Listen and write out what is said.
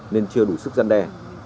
nên chưa đủ sức gian đe